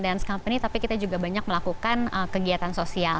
dan company tapi kita juga banyak melakukan kegiatan sosial